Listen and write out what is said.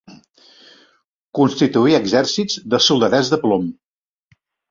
Constituir exèrcits de soldadets de plom.